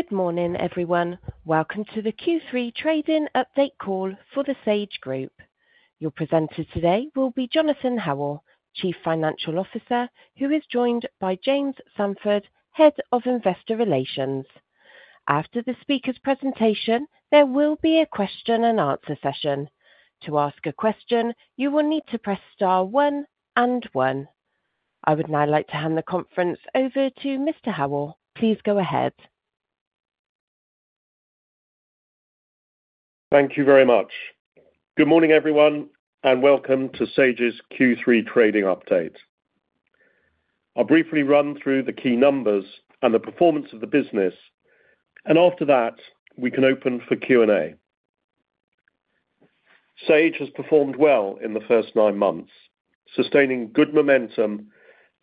Good morning, everyone. Welcome to the Q3 Trading Update Call for the Sage Group. Your presenter today will be Jonathan Howell, Chief Financial Officer, who is joined by James Sandford, Head of Investor Relations. After the speaker's presentation, there will be a question-and-answer session. To ask a question, you will need to press star one and one. I would now like to hand the conference over to Mr. Howell. Please go ahead. Thank you very much. Good morning, everyone, and welcome to Sage's Q3 Trading Update. I'll briefly run through the key numbers and the performance of the business, and after that, we can open for Q&A. Sage has performed well in the first nine months, sustaining good momentum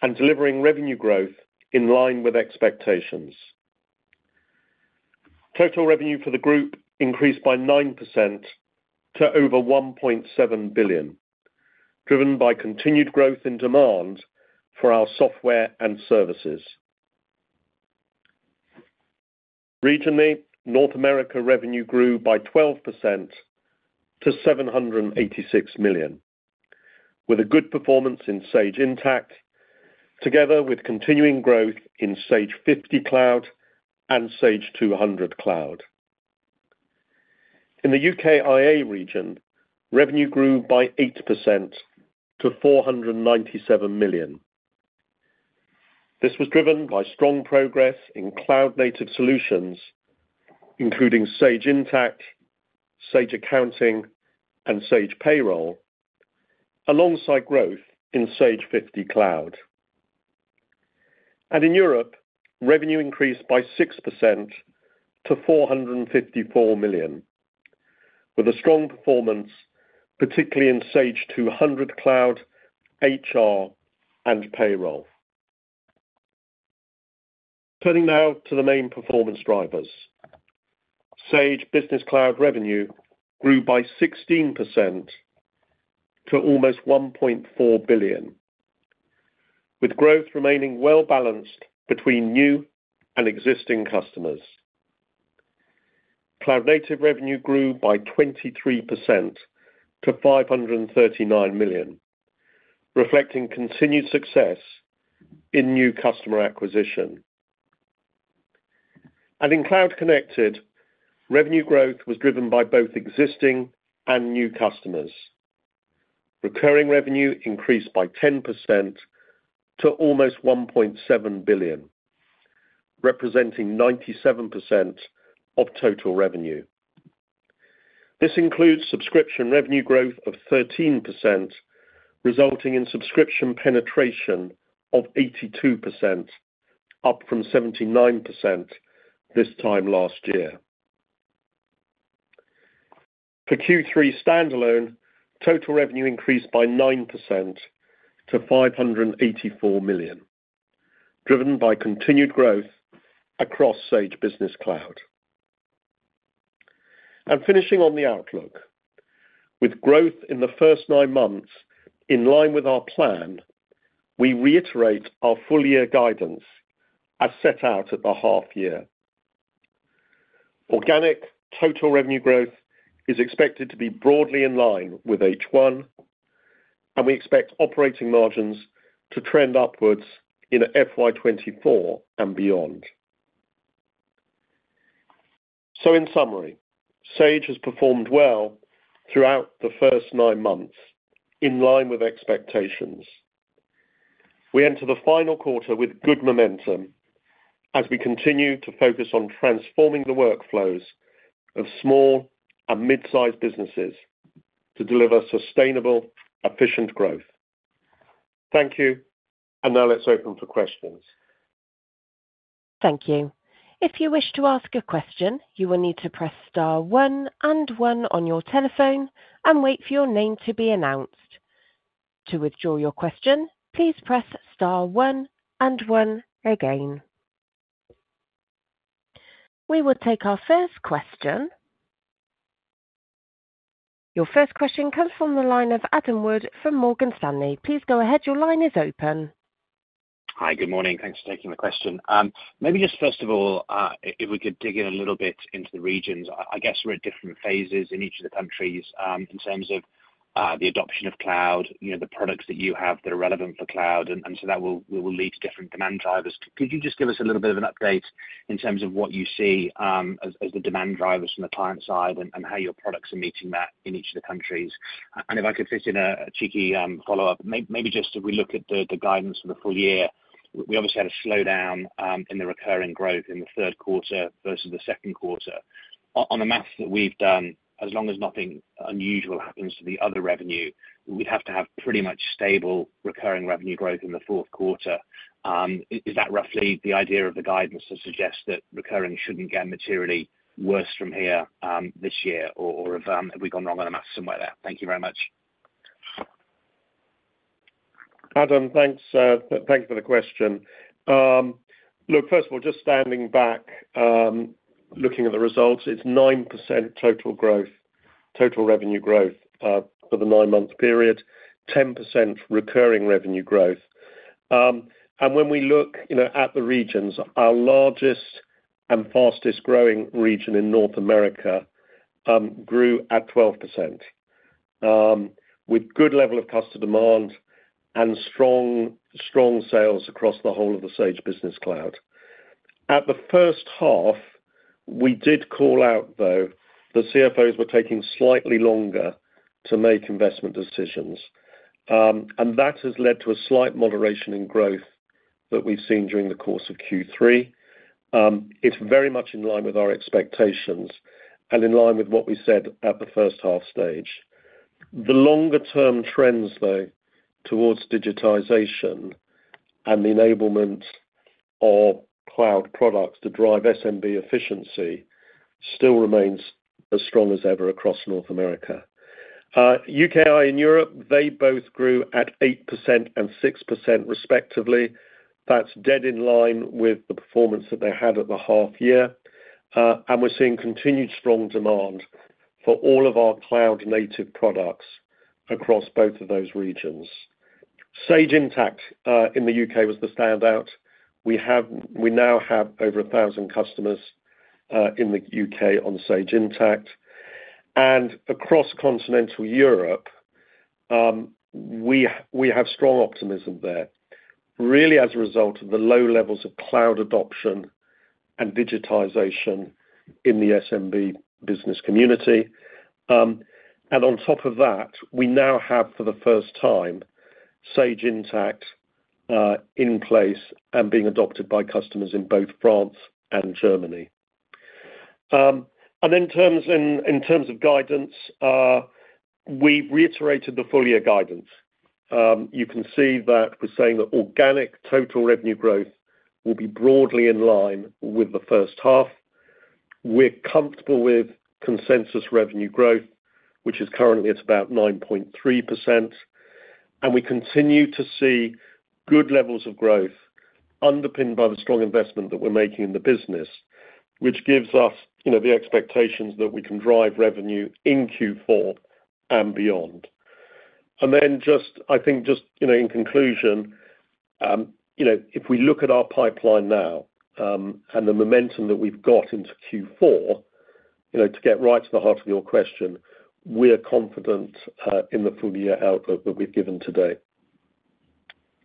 and delivering revenue growth in line with expectations. Total revenue for the group increased by 9% to over 1.7 billion, driven by continued growth in demand for our software and services. Regionally, North America revenue grew by 12% to 786 million, with a good performance in Sage Intacct, together with continuing growth in Sage 50cloud and Sage 200cloud. In the UKIA region, revenue grew by 8% to 497 million. This was driven by strong progress in cloud-native solutions, including Sage Intacct, Sage Accounting, and Sage Payroll, alongside growth in Sage 50cloud. And in Europe, revenue increased by 6% to 454 million, with a strong performance, particularly in Sage 200cloud, HR, and Payroll. Turning now to the main performance drivers, Sage Business Cloud revenue grew by 16% to almost 1.4 billion, with growth remaining well-balanced between new and existing customers. Cloud-native revenue grew by 23% to 539 million, reflecting continued success in new customer acquisition. And in cloud-connected, revenue growth was driven by both existing and new customers. Recurring revenue increased by 10% to almost 1.7 billion, representing 97% of total revenue. This includes subscription revenue growth of 13%, resulting in subscription penetration of 82%, up from 79% this time last year. For Q3 standalone, total revenue increased by 9% to 584 million, driven by continued growth across Sage Business Cloud. Finishing on the outlook, with growth in the first nine months in line with our plan, we reiterate our full-year guidance as set out at the half-year. Organic total revenue growth is expected to be broadly in line with H1, and we expect operating margins to trend upwards in FY 2024 and beyond. In summary, Sage has performed well throughout the first nine months, in line with expectations. We enter the final quarter with good momentum as we continue to focus on transforming the workflows of small and mid-sized businesses to deliver sustainable, efficient growth. Thank you, and now let's open for questions. Thank you. If you wish to ask a question, you will need to press star one and one on your telephone and wait for your name to be announced. To withdraw your question, please press star one and one again. We will take our first question. Your first question comes from the line of Adam Wood from Morgan Stanley. Please go ahead. Your line is open. Hi, good morning. Thanks for taking the question. Maybe just first of all, if we could dig in a little bit into the regions. I guess we're at different phases in each of the countries in terms of the adoption of cloud, the products that you have that are relevant for cloud, and so that will lead to different demand drivers. Could you just give us a little bit of an update in terms of what you see as the demand drivers from the client side and how your products are meeting that in each of the countries? And if I could fit in a cheeky follow-up, maybe just if we look at the guidance for the full year, we obviously had a slowdown in the recurring growth in the third quarter versus the second quarter. On the math that we've done, as long as nothing unusual happens to the other revenue, we'd have to have pretty much stable recurring revenue growth in the fourth quarter. Is that roughly the idea of the guidance to suggest that recurring shouldn't get materially worse from here this year, or have we gone wrong on the math somewhere there? Thank you very much. Adam, thanks for the question. Look, first of all, just standing back, looking at the results, it's 9% total revenue growth for the nine-month period, 10% recurring revenue growth. When we look at the regions, our largest and fastest-growing region in North America grew at 12%, with a good level of customer demand and strong sales across the whole of the Sage Business Cloud. At the first half, we did call out, though, the CFOs were taking slightly longer to make investment decisions, and that has led to a slight moderation in growth that we've seen during the course of Q3. It's very much in line with our expectations and in line with what we said at the first half stage. The longer-term trends, though, towards digitization and the enablement of cloud products to drive SMB efficiency still remains as strong as ever across North America. U.K. and Europe, they both grew at 8% and 6%, respectively. That's in line with the performance that they had at the half-year, and we're seeing continued strong demand for all of our cloud-native products across both of those regions. Sage Intacct in the U.K. was the standout. We now have over 1,000 customers in the U.K. on Sage Intacct. Across continental Europe, we have strong optimism there, really as a result of the low levels of cloud adoption and digitization in the SMB business community. On top of that, we now have, for the first time, Sage Intacct in place and being adopted by customers in both France and Germany. In terms of guidance, we've reiterated the full-year guidance. You can see that we're saying that organic total revenue growth will be broadly in line with the first half. We're comfortable with consensus revenue growth, which is currently at about 9.3%, and we continue to see good levels of growth underpinned by the strong investment that we're making in the business, which gives us the expectations that we can drive revenue in Q4 and beyond. And then just, I think, just in conclusion, if we look at our pipeline now and the momentum that we've got into Q4, to get right to the heart of your question, we're confident in the full-year outlook that we've given today.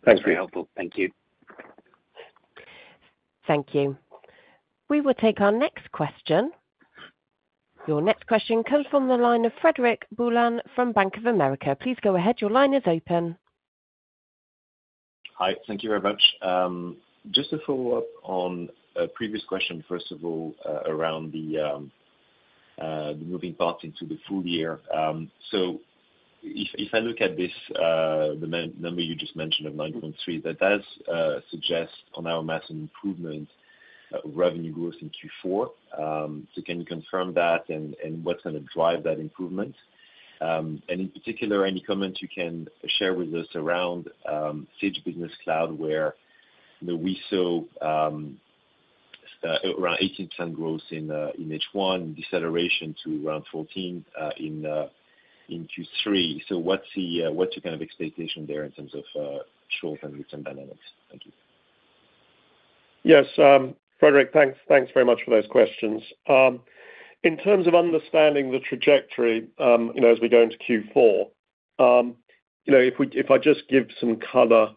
Thanks for your help. Thank you. Thank you. We will take our next question. Your next question comes from the line of Frederic Boulan from Bank of America. Please go ahead. Your line is open. Hi, thank you very much. Just a follow-up on a previous question, first of all, around the moving part into the full year. So if I look at this, the number you just mentioned of 9.3%, that does suggest on our math improvement of revenue growth in Q4. So can you confirm that and what's going to drive that improvement? And in particular, any comments you can share with us around Sage Business Cloud, where we saw around 18% growth in H1, deceleration to around 14% in Q3. So what's your kind of expectation there in terms of short-term return dynamics? Thank you. Yes. Frederic, thanks very much for those questions. In terms of understanding the trajectory as we go into Q4, if I just give some color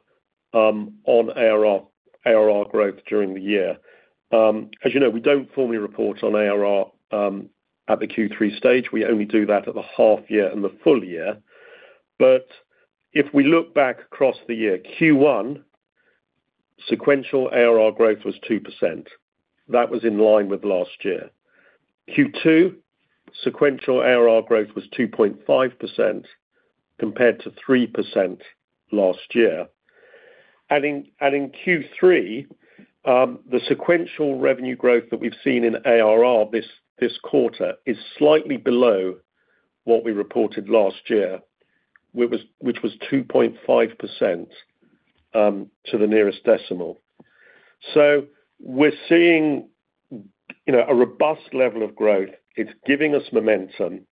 on ARR growth during the year, as you know, we don't formally report on ARR at the Q3 stage. We only do that at the half-year and the full year. But if we look back across the year, Q1, sequential ARR growth was 2%. That was in line with last year. Q2, sequential ARR growth was 2.5% compared to 3% last year. And in Q3, the sequential revenue growth that we've seen in ARR this quarter is slightly below what we reported last year, which was 2.5% to the nearest decimal. So we're seeing a robust level of growth. It's giving us momentum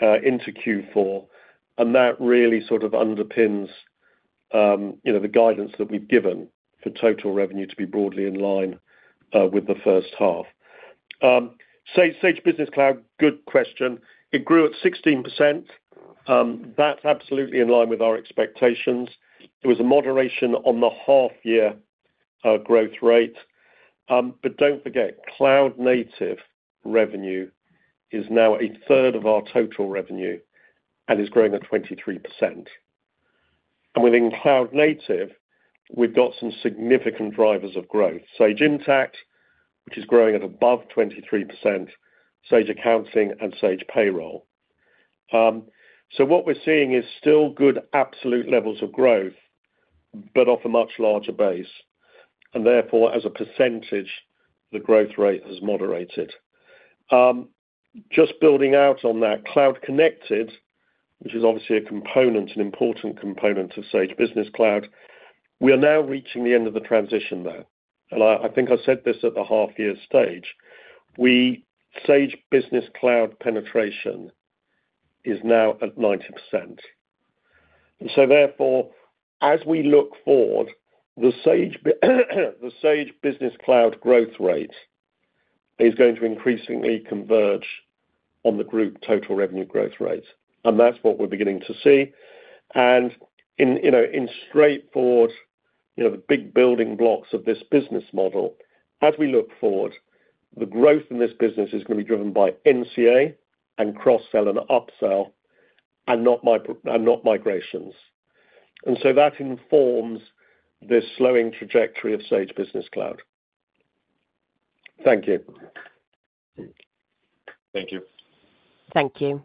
into Q4, and that really sort of underpins the guidance that we've given for total revenue to be broadly in line with the first half. Sage Business Cloud, good question. It grew at 16%. That's absolutely in line with our expectations. It was a moderation on the half-year growth rate. But don't forget, cloud-native revenue is now a 1/3 of our total revenue and is growing at 23%. And within cloud-native, we've got some significant drivers of growth: Sage Intacct, which is growing at above 23%, Sage Accounting, and Sage Payroll. So what we're seeing is still good absolute levels of growth, but off a much larger base. And therefore, as a percentage, the growth rate has moderated. Just building out on that, Cloud Connected, which is obviously a component, an important component of Sage Business Cloud, we are now reaching the end of the transition there. I think I said this at the half-year stage. Sage Business Cloud penetration is now at 90%. So therefore, as we look forward, the Sage Business Cloud growth rate is going to increasingly converge on the group total revenue growth rate. That's what we're beginning to see. In straightforward, the big building blocks of this business model, as we look forward, the growth in this business is going to be driven by NCA and cross-sell and upsell and not migrations. So that informs the slowing trajectory of Sage Business Cloud. Thank you. Thank you. Thank you.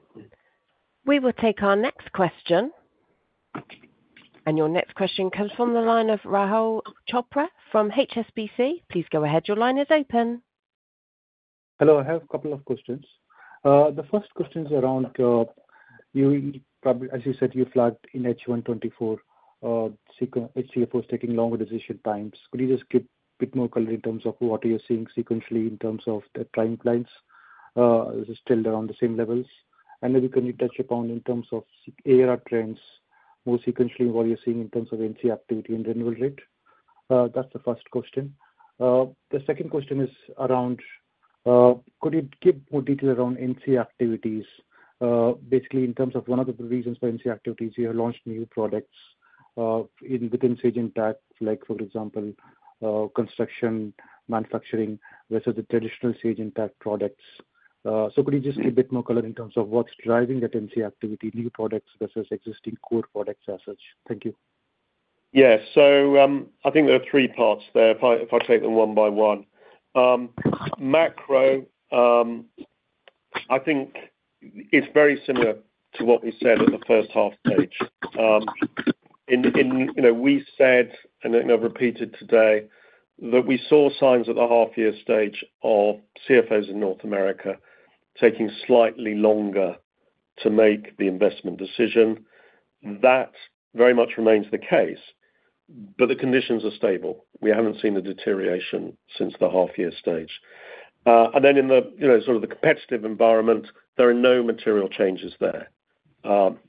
We will take our next question. Your next question comes from the line of Rahul Chopra from HSBC. Please go ahead. Your line is open. Hello. I have a couple of questions. The first question is around, as you said, you flagged in H1 24, CFOs taking longer decision times. Could you just give a bit more color in terms of what are you seeing sequentially in terms of the timelines? Is it still around the same levels? And then we can touch upon in terms of ARR trends, more sequentially what you're seeing in terms of NC activity and renewal rate. That's the first question. The second question is around, could you give more detail around NC activities? Basically, in terms of one of the reasons for NC activities, you have launched new products within Sage Intacct, like for example, construction, manufacturing, versus the traditional Sage Intacct products. So could you just give a bit more color in terms of what's driving that NC activity, new products versus existing core products as such? Thank you. Yes. So I think there are three parts there, if I take them one by one. Macro, I think it's very similar to what we said at the first half stage. We said, and I've repeated today, that we saw signs at the half-year stage of CFOs in North America taking slightly longer to make the investment decision. That very much remains the case, but the conditions are stable. We haven't seen a deterioration since the half-year stage. And then in the sort of the competitive environment, there are no material changes there.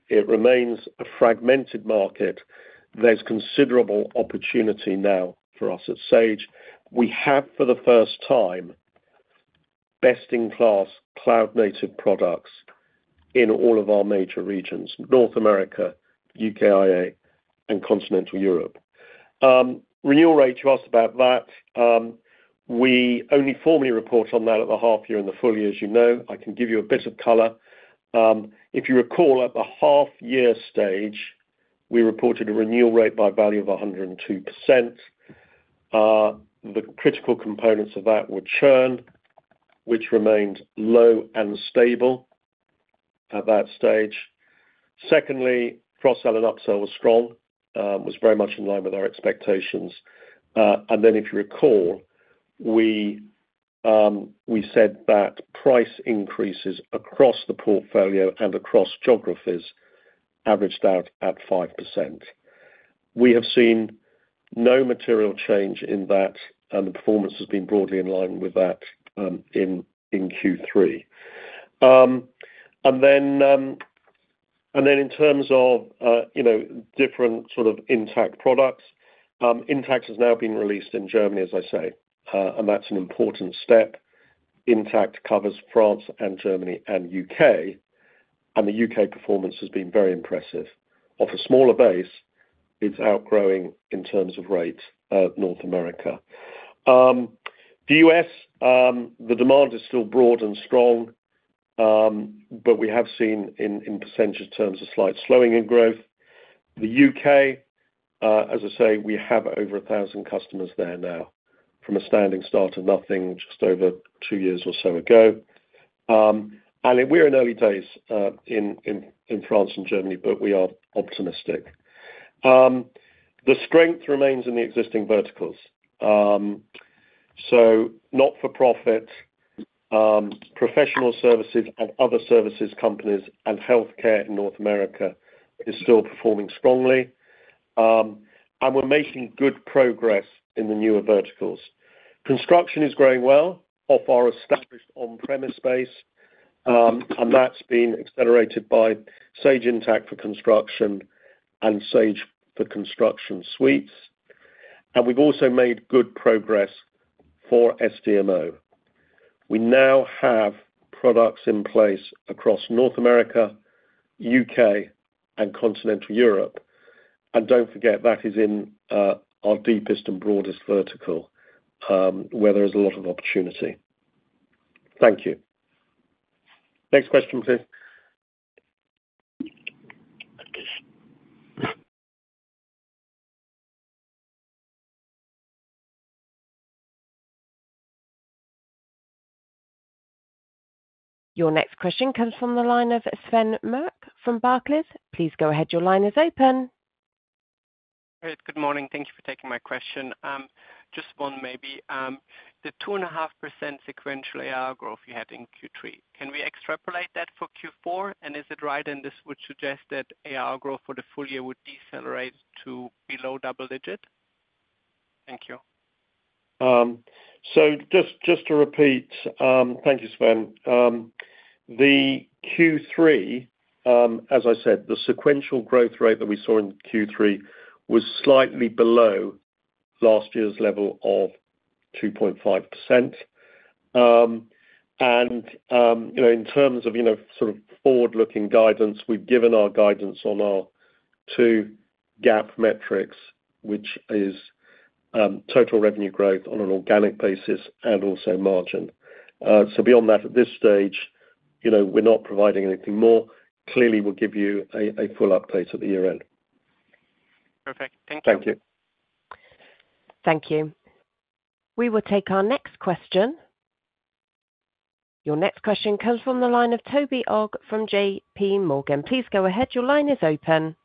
It remains a fragmented market. There's considerable opportunity now for us at Sage. We have, for the first time, best-in-class cloud-native products in all of our major regions: North America, UKIA, and continental Europe. Renewal rate, you asked about that. We only formally report on that at the half-year and the full year, as you know. I can give you a bit of color. If you recall, at the half-year stage, we reported a renewal rate by value of 102%. The critical components of that were churn, which remained low and stable at that stage. Secondly, cross-sell and upsell were strong, was very much in line with our expectations. And then, if you recall, we said that price increases across the portfolio and across geographies averaged out at 5%. We have seen no material change in that, and the performance has been broadly in line with that in Q3. And then in terms of different sort of Intacct products, Intacct has now been released in Germany, as I say, and that's an important step. Intacct covers France and Germany and U.K, and the U.K. performance has been very impressive. Off a smaller base, it's outgrowing in terms of rate North America. The U.S., the demand is still broad and strong, but we have seen in percentage terms a slight slowing in growth. The U.K., as I say, we have over 1,000 customers there now from a standing start of nothing just over two years or so ago. And we're in early days in France and Germany, but we are optimistic. The strength remains in the existing verticals. So not-for-profit, professional services, and other services companies, and healthcare in North America is still performing strongly. And we're making good progress in the newer verticals. Construction is growing well off our established on-premise base, and that's been accelerated by Sage Intacct for Construction and Sage for Construction suites. And we've also made good progress for SDMO. We now have products in place across North America, U.K., and continental Europe. Don't forget, that is in our deepest and broadest vertical where there is a lot of opportunity. Thank you. Next question, please. Your next question comes from the line of Sven Merkt from Barclays. Please go ahead. Your line is open. Hey, good morning. Thank you for taking my question. Just one maybe. The 2.5% sequential ARR growth you had in Q3, can we extrapolate that for Q4? And is it right, and this would suggest that ARR growth for the full year would decelerate to below double digit? Thank you. Just to repeat, thank you, Sven. The Q3, as I said, the sequential growth rate that we saw in Q3 was slightly below last year's level of 2.5%. In terms of sort of forward-looking guidance, we've given our guidance on our two GAAP metrics, which is total revenue growth on an organic basis and also margin. Beyond that, at this stage, we're not providing anything more. Clearly, we'll give you a full update at the year-end. Perfect. Thank you. Thank you. Thank you. We will take our next question. Your next question comes from the line of Toby Ogg from JPMorgan. Please go ahead. Your line is open.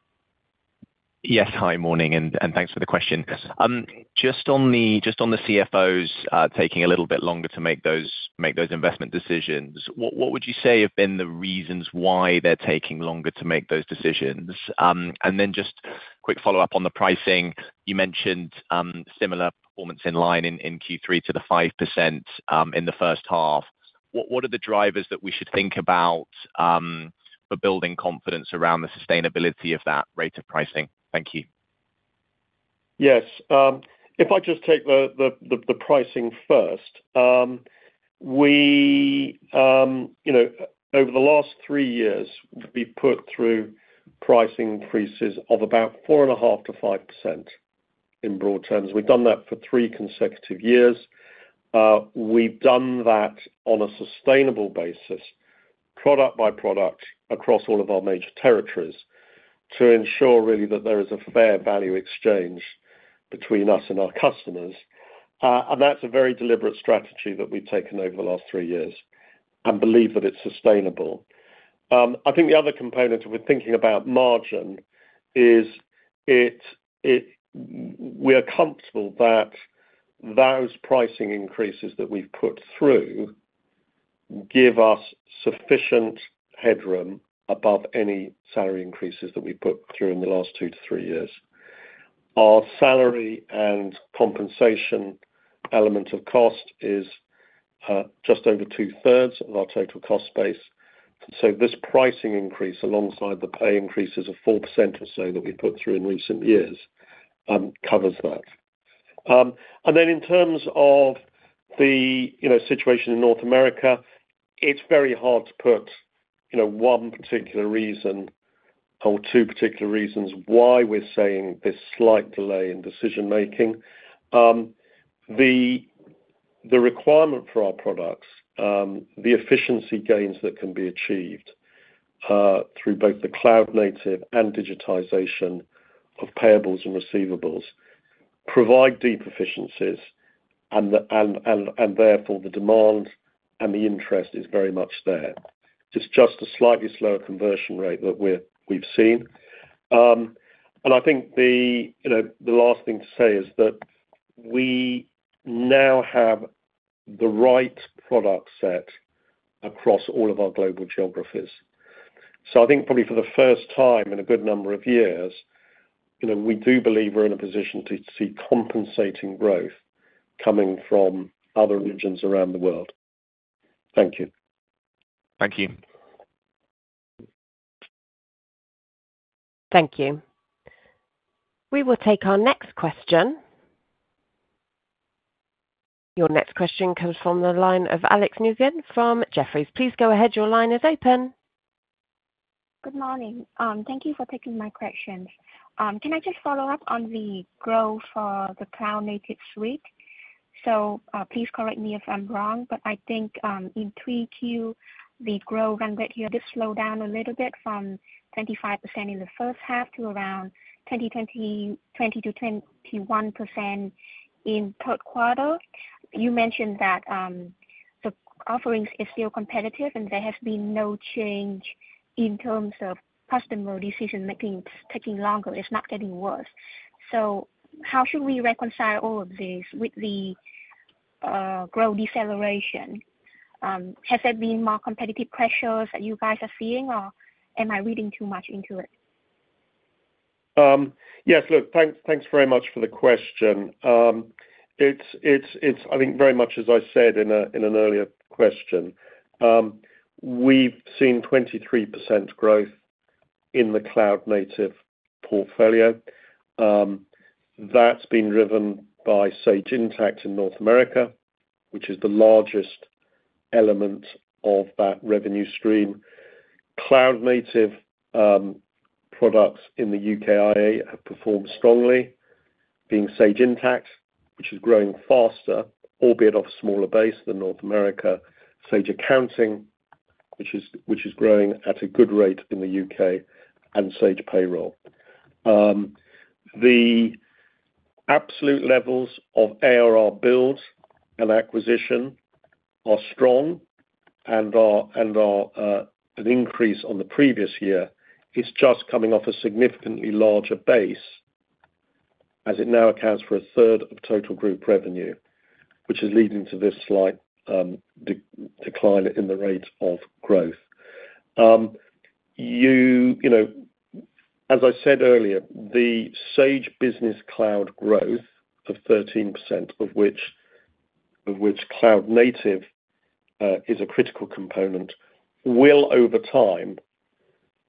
Yes. Hi, morning, and thanks for the question. Just on the CFOs taking a little bit longer to make those investment decisions, what would you say have been the reasons why they're taking longer to make those decisions? And then just quick follow-up on the pricing. You mentioned similar performance in line in Q3 to the 5% in the first half. What are the drivers that we should think about for building confidence around the sustainability of that rate of pricing? Thank you. Yes. If I just take the pricing first, over the last three years, we've put through pricing increases of about 4.5%-5% in broad terms. We've done that for three consecutive years. We've done that on a sustainable basis, product by product, across all of our major territories to ensure really that there is a fair value exchange between us and our customers. And that's a very deliberate strategy that we've taken over the last three years and believe that it's sustainable. I think the other component of thinking about margin is we are comfortable that those pricing increases that we've put through give us sufficient headroom above any salary increases that we've put through in the last two to three years. Our salary and compensation element of cost is just over 2/3 of our total cost base. And so this pricing increase alongside the pay increases of 4% or so that we've put through in recent years covers that. And then in terms of the situation in North America, it's very hard to put one particular reason or two particular reasons why we're saying this slight delay in decision-making. The requirement for our products, the efficiency gains that can be achieved through both the cloud-native and digitization of payables and receivables provide deep efficiencies, and therefore, the demand and the interest is very much there. It's just a slightly slower conversion rate that we've seen. And I think the last thing to say is that we now have the right product set across all of our global geographies. So I think probably for the first time in a good number of years, we do believe we're in a position to see compensating growth coming from other regions around the world. Thank you. Thank you. Thank you. We will take our next question. Your next question comes from the line of Alex Nguyen from Jefferies. Please go ahead. Your line is open. Good morning. Thank you for taking my question. Can I just follow up on the growth for the cloud-native suite? So please correct me if I'm wrong, but I think in 3Q, the growth rendered here did slow down a little bit from 25% in the first half to around 20%-21% in third quarter. You mentioned that the offerings are still competitive, and there has been no change in terms of customer decision-making taking longer. It's not getting worse. So how should we reconcile all of this with the growth deceleration? Has there been more competitive pressures that you guys are seeing, or am I reading too much into it? Yes. Look, thanks very much for the question. It's, I think, very much as I said in an earlier question. We've seen 23% growth in the cloud-native portfolio. That's been driven by Sage Intacct in North America, which is the largest element of that revenue stream. Cloud-native products in the UKIA have performed strongly, being Sage Intacct, which is growing faster, albeit off a smaller base than North America, Sage Accounting, which is growing at a good rate in the U.K., and Sage Payroll. The absolute levels of ARR builds and acquisition are strong and are an increase on the previous year. It's just coming off a significantly larger base as it now accounts for a third of total group revenue, which is leading to this slight decline in the rate of growth. As I said earlier, the Sage Business Cloud growth of 13%, of which cloud-native is a critical component, will over time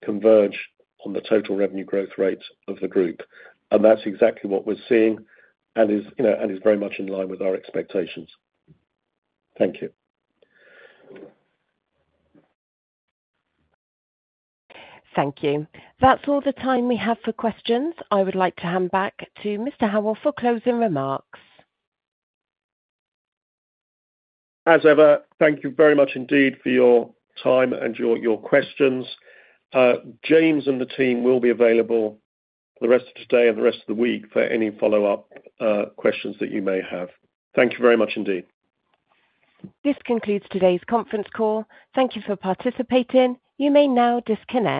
converge on the total revenue growth rate of the group. That's exactly what we're seeing and is very much in line with our expectations. Thank you. Thank you. That's all the time we have for questions. I would like to hand back to Mr. Howell for closing remarks. As ever, thank you very much indeed for your time and your questions. James and the team will be available for the rest of today and the rest of the week for any follow-up questions that you may have. Thank you very much indeed. This concludes today's conference call. Thank you for participating. You may now disconnect.